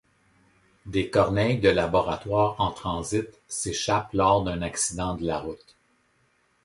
Des corneilles de laboratoires en transit s’échappent lors d’un accident de la route.